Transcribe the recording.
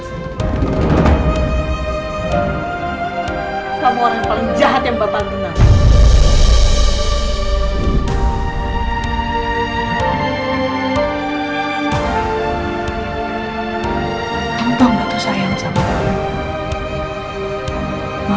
kamu orang yang paling jahat yang batal kena